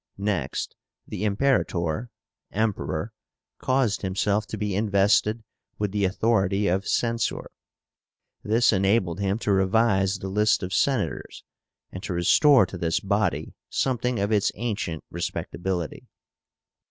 Next the Imperator (Emperor) caused himself to be invested with the authority of Censor. This enabled him to revise the list of Senators, and to restore to this body something of its ancient respectability.